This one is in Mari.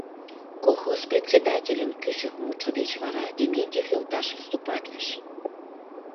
Колхоз председательын кӱчык мутшо деч вара Дементьев йолташ выступатлыш.